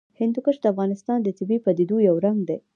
هندوکش د افغانستان د طبیعي پدیدو یو رنګ دی.